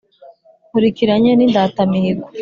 Nkurikiranye n'Indatamihigo.